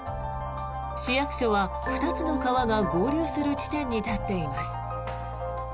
市役所は２つの川が合流する地点に立っています。